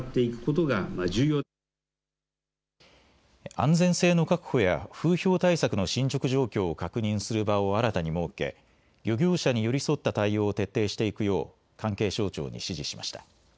安全性の確保や風評対策の進捗状況を確認する場を新たに設け、漁業者に寄り添った対応を徹底していくよう関係省庁に指示しました。